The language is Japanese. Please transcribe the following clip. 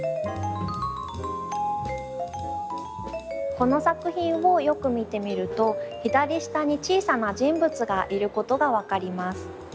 この作品をよく見てみると左下に小さな人物がいることが分かります。